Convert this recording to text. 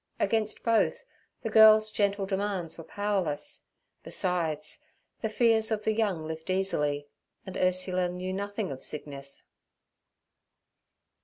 Against both the girl's gentle demands were powerless; besides, the fears of the young lift easily, and Ursula knew nothing of sickness.